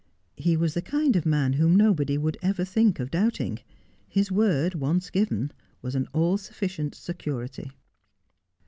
He was the kind of man whom nobody would ever think of doubt ing. His word, once given, was an all sufficient security.